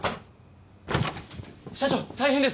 社長大変です！